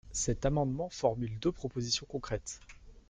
Cet amendement formule deux propositions concrètes.